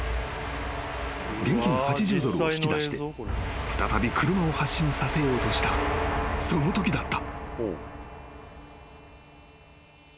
［現金８０ドルを引き出して再び車を発進させようとしたそのときだった］